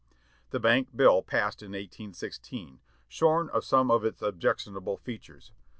The bank bill passed in 1816, shorn of some of its objectionable features.